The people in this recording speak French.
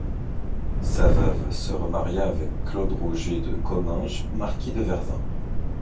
Sa veuve se remaria avec Claude-Roger de Cominges, marquis de Vervins.